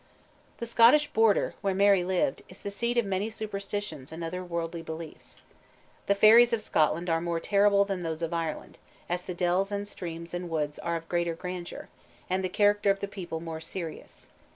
The Scottish Border, where Mary lived, is the seat of many superstitions and other worldly beliefs. The fairies of Scotland are more terrible than those of Ireland, as the dells and streams and woods are of greater grandeur, and the character of the people more serious.